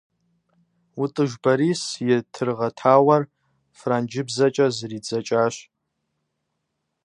Ӏутӏыж Борис и «Тыргъэтауэр» франджыбзэкӏэ зэрадзэкӏащ.